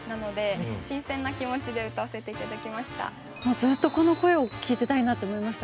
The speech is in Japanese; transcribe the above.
ずっとこの声を聴いてたいなと思いましたね。